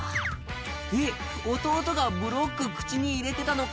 えっ弟がブロック口に入れてたのか！